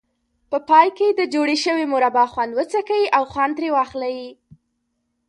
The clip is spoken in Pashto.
په پای کې د جوړې شوې مربا خوند وڅکئ او خوند ترې واخلئ.